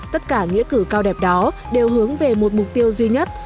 tất cả nghĩa cử cao đẹp đó đều hướng về một mục tiêu duy nhất